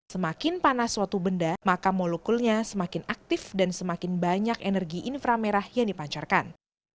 semakin panas suatu benda maka molekulnya semakin aktif dan semakin banyak energi infra merah yang dipancarkan